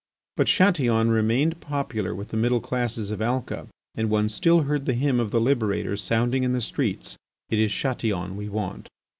But Chatillon remained popular with the middle classes of Alca and one still heard the hymn of the liberator sounding in the streets, "It is Chatillon we want."